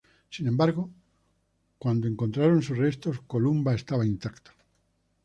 Sin embargo, cuando encontraron sus restos Columba estaba intacta.